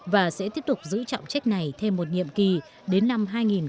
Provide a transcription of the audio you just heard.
và sẽ tiếp tục giữ trọng trách này thêm một nhiệm kỳ đến năm hai nghìn hai mươi